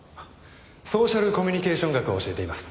ソーシャルコミュニケーション学を教えています。